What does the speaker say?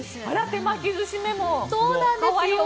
手巻き寿司メモ可愛い。